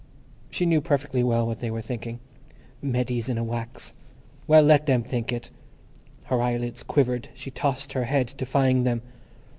She knew perfectly well what they were thinking. "Meady is in a wax." Well, let them think it! Her eyelids quivered; she tossed her head, defying them.